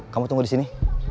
kamu tunggu disini